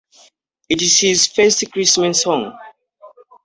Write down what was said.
It is his first Christmas song.